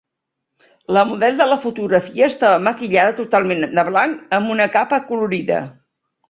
La model de la fotografia estava maquillada totalment de blanc amb una capa acolorida.